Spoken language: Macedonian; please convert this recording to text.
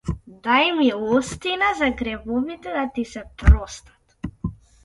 Дај милостина, за гревовите да ти се простат.